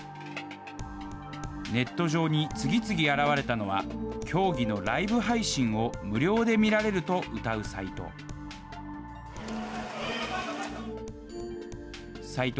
ネット上に次々現れたのは、競技のライブ配信を無料で見られるとうたうサイト。